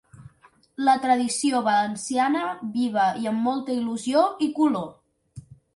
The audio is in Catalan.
La tradició valenciana viva i amb molta il•lusió i color!